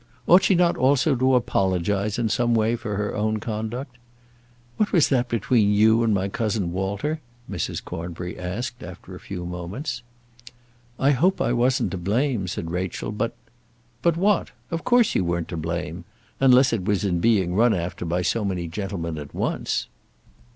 Ought she not also to apologise in some way for her own conduct? "What was that between you and my cousin Walter?" Mrs. Cornbury asked, after a few moments. "I hope I wasn't to blame," said Rachel. "But " "But what? Of course you weren't to blame; unless it was in being run after by so many gentlemen at once."